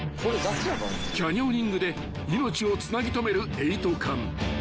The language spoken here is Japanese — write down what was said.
［キャニオニングで命をつなぎ留めるエイト環］